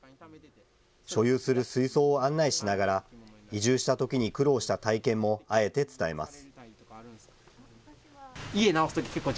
所有する水槽を案内しながら、移住したときに苦労した体験も、あえて伝えます。